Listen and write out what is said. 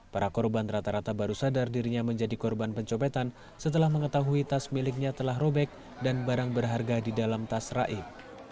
para korban rata rata baru sadar dirinya menjadi korban pencopetan setelah mengetahui tas miliknya telah robek dan barang berharga di dalam tas raib